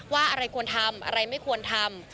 ว่าอะไรควรทำอะไรไม่ควรทำ